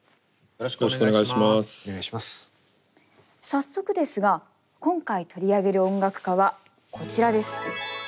早速ですが今回取り上げる音楽家はこちらです。